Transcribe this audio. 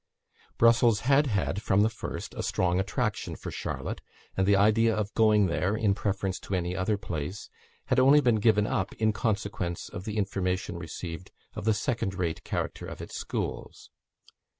Brussels had had from the first a strong attraction for Charlotte; and the idea of going there, in preference to any other place, had only been given up in consequence of the information received of the second rate character of its schools.